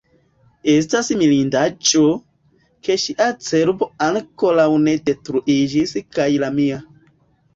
Estas mirindaĵo, ke ŝia cerbo ankoraŭ ne detruiĝis kaj la mia.